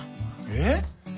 えっ？